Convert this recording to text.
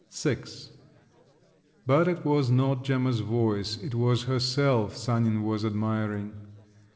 VI But it was not Gemma's voice—it was herself Sanin was admiring.